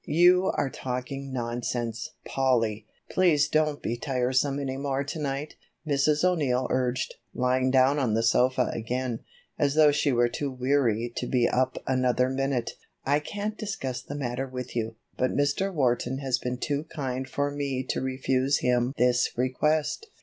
"You are talking nonsense, Polly; please don't be tiresome any more to night," Mrs. O'Neill urged, lying down on the sofa again, as though she were too weary to be up another minute. "I can't discuss the matter with you, but Mr. Wharton has been too kind for me to refuse him this request."